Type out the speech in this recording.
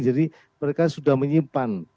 jadi mereka sudah menyimpan